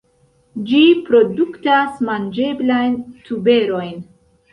Ĝi produktas manĝeblajn tuberojn.